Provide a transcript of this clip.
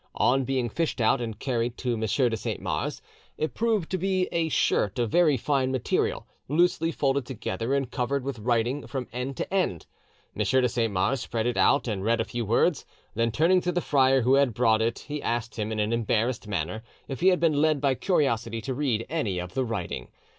On being fished out and carried to M. de Saint Mars, it proved to be a shirt of very fine material, loosely folded together, and covered with writing from end to end. M. de Saint Mars spread it out and read a few words, then turning to the friar who had brought it he asked him in an embarrassed manner if he had been led by curiosity to read any of the, writing.